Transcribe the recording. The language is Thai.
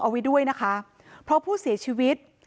เอาไว้ด้วยนะคะเพราะผู้เสียชีวิต